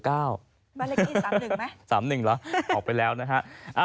บ้านเลขที่๓๑ไหม๓๑เหรอออกไปแล้วนะฮะ